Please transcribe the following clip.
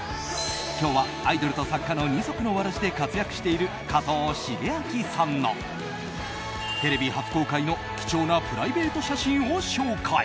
今日は、アイドルと作家の二足のわらじで活躍している加藤シゲアキさんのテレビ初公開の貴重なプライベート写真を紹介。